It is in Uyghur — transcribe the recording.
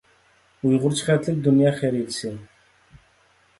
ئۇيغۇرچە خەتلىك دۇنيا خەرىتىسى.